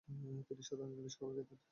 তিনি সাধারণ নিরামিষ খাবার খেতেন।